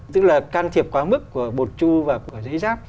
tức là can thiệp quá mức của bột chu và của giấy ráp